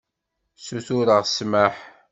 Sutureɣ ssmaḥ.